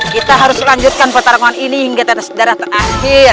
kita harus lanjutkan pertarungan ini hingga tetes darah terakhir